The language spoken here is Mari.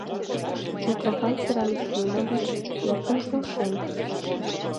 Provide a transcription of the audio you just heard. — Митрофан Серафимович, эргым келшен.